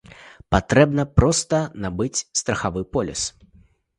Патрэбна проста набыць страхавы поліс.